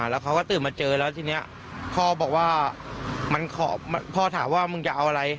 แล้วเขาก็ตื่นมาเจอแล้วทีนี้พ่อบอกว่าพ่อถามว่ามึงจะเอาอะไร